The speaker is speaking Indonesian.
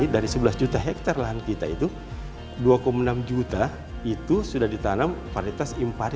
dari sebelas juta hektare lahan kita itu dua enam juta itu sudah ditanam paritas impari tiga puluh dua